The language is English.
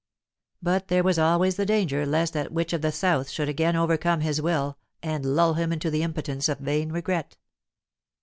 But there was always the danger lest that witch of the south should again overcome his will and lull him into impotence of vain regret.